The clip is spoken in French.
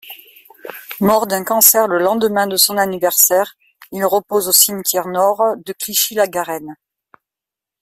Mort d'un cancer le lendemain de son anniversaire, il repose au cimetière-Nord de Clichy-la-Garenne.